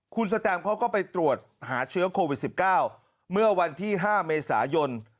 คุณสแตมเขาก็ไปตรวจหาเชื้อโควิด๑๙เมื่อวันที่๕เมษายน